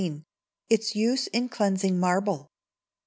Its use in Cleansing Marble.